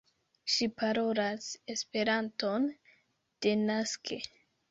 Ŝi parolas Esperanton denaske.